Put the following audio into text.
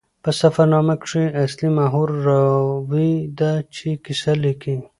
په سفرنامه کښي اصلي محور راوي ده، چي کیسه لیکي.